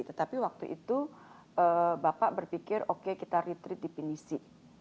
tetapi waktu itu bapak berpikir oke kita retret di pinisi